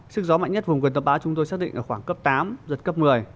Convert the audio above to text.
sức gió mạnh nhất vùng gần tâm bão chúng tôi xác định ở khoảng cấp tám giật cấp một mươi